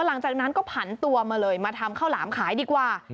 หลังจากนั้นก็ผันตัวมาเลยมาทำข้าวหลามขายดีกว่า